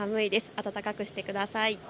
暖かくしてください。